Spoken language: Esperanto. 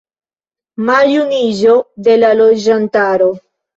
Maljuniĝo de la loĝantaro.